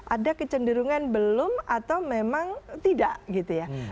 ada kecenderungan belum atau memang tidak gitu ya